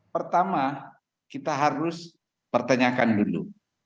pertama kita harus pertanyakan dulu